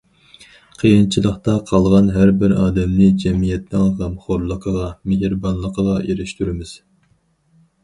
قىيىنچىلىقتا قالغان ھەربىر ئادەمنى جەمئىيەتنىڭ غەمخورلۇقىغا، مېھرىبانلىقىغا ئېرىشتۈرىمىز.